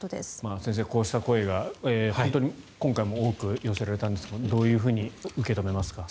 先生、こうした声が今回も本当に多く寄せられたんですがどういうふうに受け止めますか。